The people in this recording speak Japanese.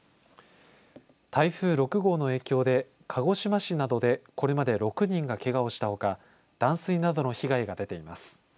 台風６号の影響で鹿児島市などでこれまで６人が、けがをしたほか断水などの被害が出ています。